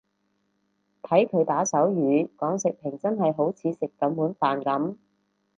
睇佢打手語講食評真係好似食緊碗飯噉